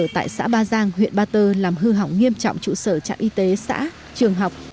tại xã ba giang huyện ba tơ làm hư hỏng nghiêm trọng trụ sở trạm y tế xã trường học